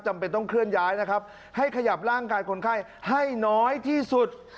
จำเป็นต้องเคลื่อนย้ายนะครับให้ขยับร่างกายคนไข้ให้น้อยที่สุด